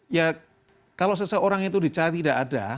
ya kalau seseorang itu dicari tidak ada